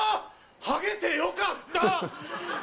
ハゲてよかった！